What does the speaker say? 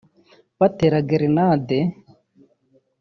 batera grenade